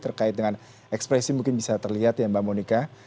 terkait dengan ekspresi mungkin bisa terlihat ya mbak monika